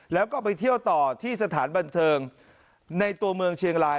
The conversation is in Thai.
แล้วก็ไปเที่ยวต่อที่สถานบันเทิงในตัวเมืองเชียงราย